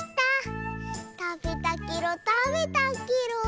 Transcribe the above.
たべたケロたべたケロ。